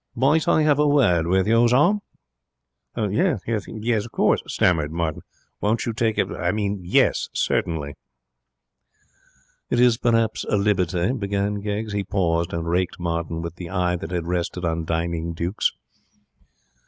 'Might I have a word with you, sir?' 'Ye e ss, yes,' stammered Martin. 'Won't you take a I mean, yes, certainly.' 'It is perhaps a liberty,' began Keggs. He paused, and raked Martin with the eye that had rested on dining dukes.